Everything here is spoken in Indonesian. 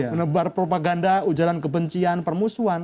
menebar propaganda ujaran kebencian permusuhan